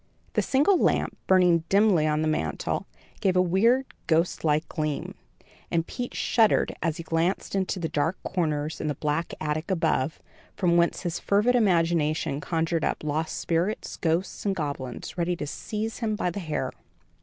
The single lamp, burning dimly on the mantel, gave a weird ghost like gleam, and Pete shuddered as he glanced into the dark corners and the black attic above, from whence his fervid imagination conjured up lost spirits, ghosts and goblins ready to seize him by the hair.